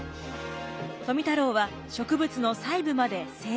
富太郎は植物の細部まで精密に描写。